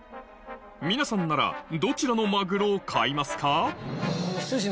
皆さんならどちらのマグロを買いますか？